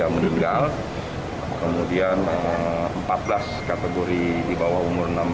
tiga meninggal kemudian empat belas kategori di bawah umur